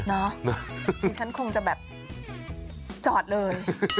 เนอะดิฉันคงจะแบบจอดเลย